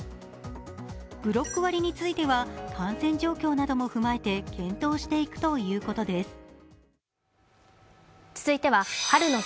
ブロック割については感染状況なども踏まえて検討していくということです。